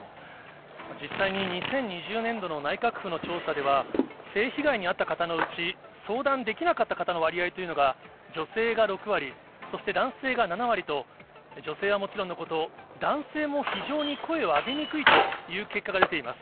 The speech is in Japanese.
実際に２０２０年度の内閣府の調査では、性被害に遭った方のうち、相談できなかった方の割合というのが女性が６割、そして男性が７割と、女性はもちろんのこと、男性も非常に声を上げにくいという結果が出ています。